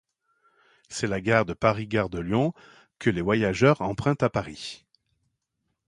C'est la gare de Paris-Gare-de-Lyon que les voyageurs empruntent à Paris.